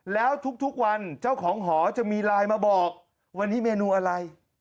แล้วทุกวันเจ้าของหอจะมีไลน์มาบอกวันนี้เมนูอะไร